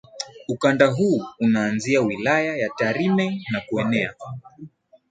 Ukanda huu unaanzia wilaya ya Tarime na kuenea